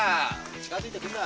近づいてくんな。